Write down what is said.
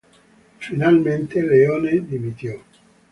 Finalmente, Leone dimitió.